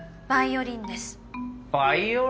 バイオリン？